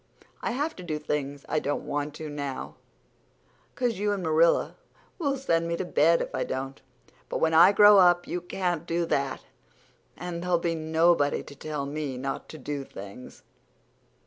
I have to do things I don't want to now 'cause you and Marilla'll send me to bed if I don't. But when I grow up you can't do that, and there'll be nobody to tell me not to do things.